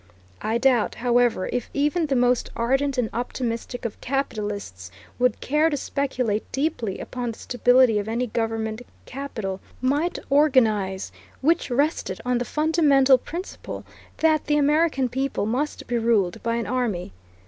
I doubt, however, if even the most ardent and optimistic of capitalists would care to speculate deeply upon the stability of any government capital might organize, which rested on the fundamental principle that the American people must be ruled by an army.